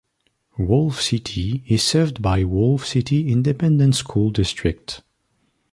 Wolfe City is served by Wolfe City Independent School District.